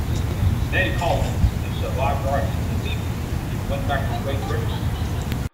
Many colonists who survived rushed to the seaports and went back to Great Britain.